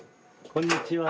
こんにちは。